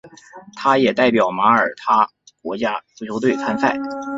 他也代表马耳他国家足球队参赛。